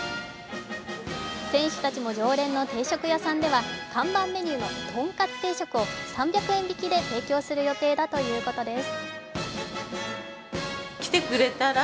選手たちも常連の定食屋さんでは看板メニューのとんかつ定食を３００円引きで提供する予定だということです。